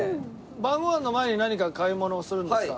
晩ご飯の前に何か買い物をするんですか？